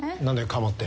「かも」って。